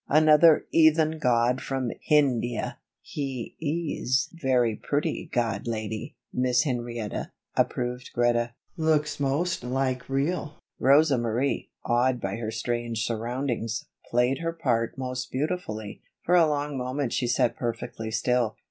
Another 'eathen god from Hindia." [Illustration: "ANOTHER 'EATHEN GOD FROM HINDIA."] "He ees very pretty god lady, Miss Henrietta," approved Greta. "Looks most like real." Rosa Marie, awed by her strange surroundings, played her part most beautifully. For a long moment she sat perfectly still.